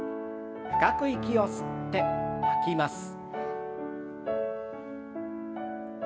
深く息を吸って吐きます。